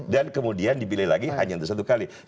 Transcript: dan kemudian dipilih lagi hanya untuk satu kali